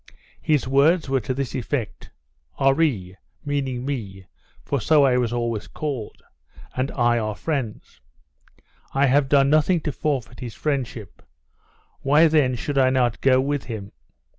His words were to this effect: "Oree (meaning me, for so I was always called) and I are friends; I have done nothing to forfeit his friendship; why then should I not go with him?"